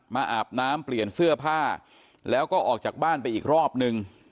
อาบน้ำเปลี่ยนเสื้อผ้าแล้วก็ออกจากบ้านไปอีกรอบนึง